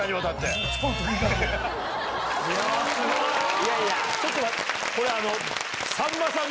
いやいやちょっと待って。